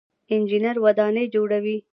انجنیر ودانۍ جوړوي.